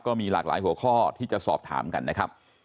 ก็มีหลากหลายหัวข้อที่จะสอบถามกันนะครับ